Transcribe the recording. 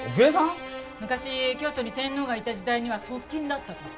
昔京都に天皇がいた時代には側近だったとか。